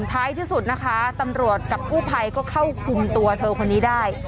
ท้ายที่สุดนะคะตำรวจกับกู้ภัยก็เข้าคุมตัวเธอคนนี้ได้